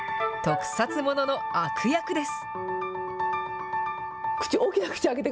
特撮ものの悪役です。